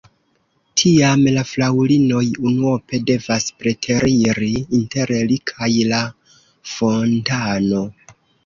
Tiam la fraŭlinoj unuope devas preteriri inter li kaj la fontano.